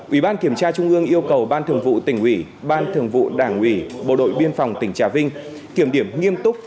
ubkt yêu cầu ban thường vụ tỉnh ủy ban thường vụ đảng ủy bộ đội biên phòng tỉnh trà vinh kiểm điểm nghiêm túc